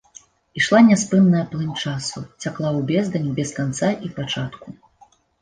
Ішла няспынная плынь часу, цякла ў бездань без канца і пачатку.